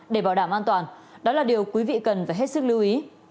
để bảo đảm an toàn đó là điều quý vị cần phải hết sức lưu ý